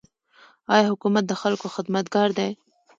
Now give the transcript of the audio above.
آیا حکومت د خلکو خدمتګار دی؟